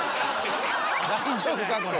大丈夫かこれ。